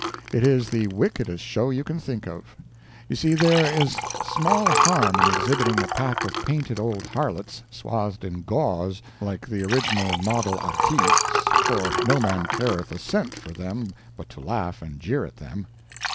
It is the wickedest show you can think of. You see there is small harm in exhibiting a pack of painted old harlots, swathed in gauze, like the original model artistes, for no man careth a cent for them but to laugh and jeer at them.